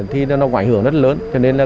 thì nó ngoại hưởng rất lớn